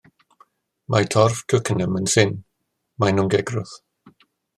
Mae torf Twickenham yn syn, maen nhw'n gegrwth.